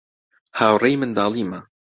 هاوڕێی منداڵیمە.